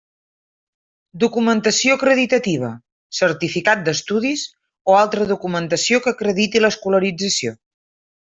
Documentació acreditativa: certificat d'estudis o altra documentació que acrediti l'escolarització.